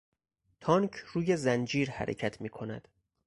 تانک روی زنجیر حرکت میکند.